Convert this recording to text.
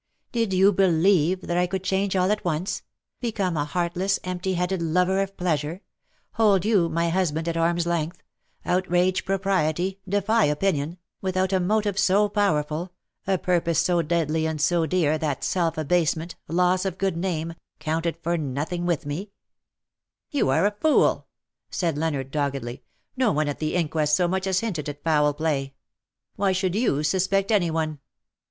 Did you believe that I could change all at once — become a heartless, empty headed lover of pleasure — hold you, my husband^ at arm's length — outrage propriety — defy opinion — without a motive so powerful, a purpose so deadly and so dear, that self abasement, loss of good name, counted for nothing with me/^ " You are a fool,''' said Leonard, doggedly. '' No one at the inquest so much as hinted at foul play. Why should you suspect any one